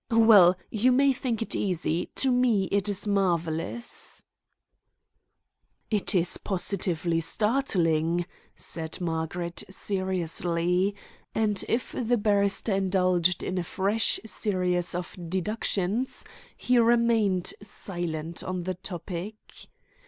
"Well, you may think it easy; to me it is marvellous." "It is positively startling," said Margaret seriously; and if the barrister indulged in a fresh series of deductions he remained silent on the topic.